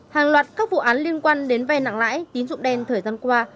hàng loạt các vụ án liên quan đến vay nặng lãi tiến dụng đen thời gian qua